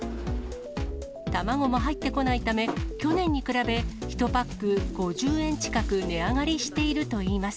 卵も入ってこないため、去年に比べ、１パック５０円近く値上がりしているといいます。